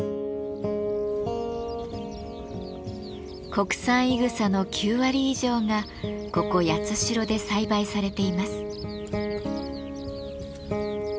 国産いぐさの９割以上がここ八代で栽培されています。